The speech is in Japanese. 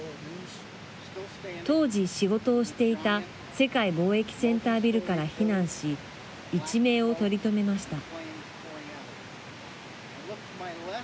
当時、仕事をしていた世界貿易センタービルから避難し一命を取り留めました。